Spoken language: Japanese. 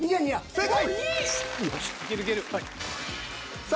正解！